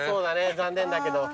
残念だけど。